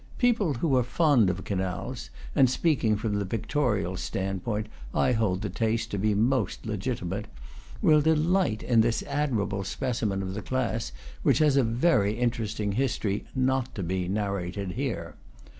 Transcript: People who are fond of canals and, speaking from the pictorial standpoint, I hold the taste to be most legitimate will delight in this admirable specimen of the class, which has a very in teresting history, not to be narrated here.